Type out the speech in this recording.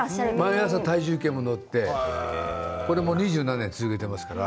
毎朝、体重計にも乗って二十何年続けていますから。